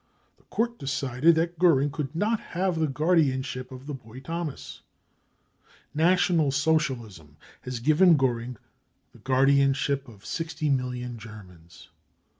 The court decided that Goering could not have the guardianship of the boy Thomas. National Socialism has given Goering the guardianship of 60 million Germans.